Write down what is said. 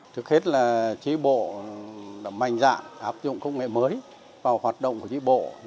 trước hết là tri bộ là mạnh dạng áp dụng công nghệ mới vào hoạt động của tri bộ